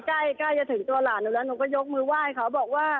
ใกล้ใกล้จะถึงตัวหลานหนูแล้วหนูก็ยกมือไหว้เขาบอกว่า